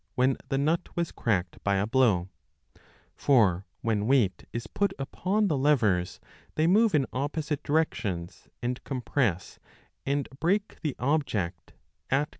when the nut was cracked by a blow ; for when weight is 5 put 3 upon the levers they move in opposite directions and compress and break the object at K.